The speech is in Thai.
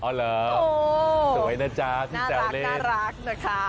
อ๋อเหรอสวยนะจ๊ะน่ารักนะคะ